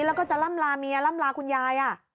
แล้วก็จะล่ำลาเมียล่ำลาคุณยาย